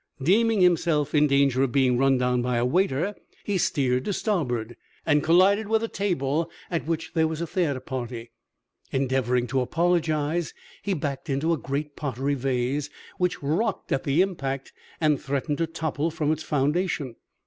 Deeming himself in danger of being run down by a waiter, he sheered to starboard, and collided with a table at which there was a theatre party. Endeavoring to apologize, he backed into a great pottery vase, which rocked at the impact and threatened to topple from its foundation.